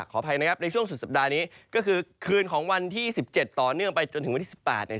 ขออภัยนะครับในช่วงสุดสัปดาห์นี้ก็คือคืนของวันที่๑๗ต่อเนื่องไปจนถึงวันที่๑๘เนี่ย